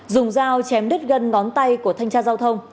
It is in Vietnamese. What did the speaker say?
dùng dao chém đứt gân ngón tay của thanh tra giao thông